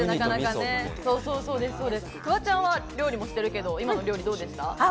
フワちゃんは料理もしてるけど今の料理どうでした？